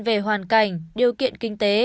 về hoàn cảnh điều kiện kinh tế